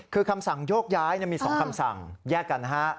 คือคำสั่งโยกย้ายมี๒คำสั่งแยกกันนะฮะ